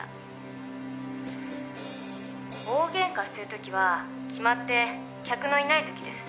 「大ゲンカしてる時は決まって客のいない時です」